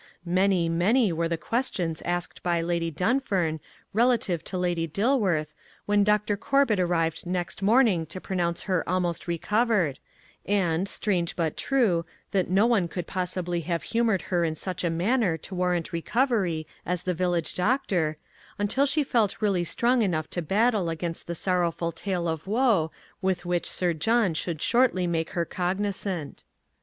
Many, many were the questions asked by Lady Dunfern relative to Lady Dilworth when Dr. Corbett arrived next morning to pronounce her almost recovered, and, strange, yet true, that no one could possibly have humoured her in such a manner to warrant recovery as the village doctor, until she felt really strong enough to battle against the sorrowful tale of woe with which Sir John should shortly make her cognisant.